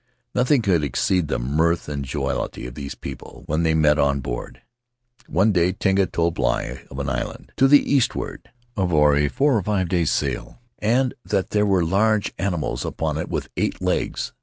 Nothing could exceed the mirth and jollity of these people when they met on board." One day Tinah told Bligh of an island "to the eastward of Otaheite four or five days' sail, and that there were large animals upon it with eight legs.